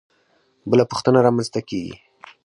بله پوښتنه رامنځته کېږي.